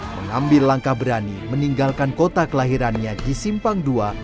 mengambil langkah berani meninggalkan kota kelahirannya di simpang ii